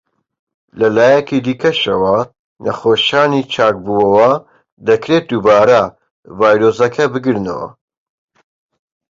لە لایەکی دیکەشەوە، نەخۆشانی چاکبووەوە دەکرێت دووبارە ڤایرۆسەکە بگرنەوە.